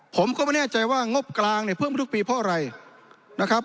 ผมก็ไม่แน่ใจว่างบกลางเนี่ยเพิ่มไปทุกปีเพราะอะไรนะครับ